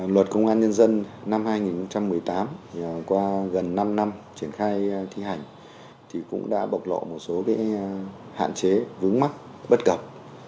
luật công an nhân dân năm hai nghìn một mươi tám qua gần năm năm triển khai thi hành cũng đã bộc lộ một số hạn chế vướng mắc bất cập